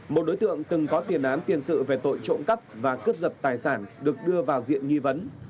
một đối tượng từng có tiền án tiền sự về tội trộm cắp và cướp giật tài sản được đưa vào diện nghi vấn